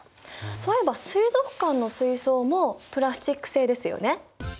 そういえば水族館の水槽もプラスチック製ですよね。